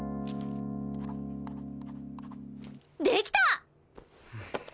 できた！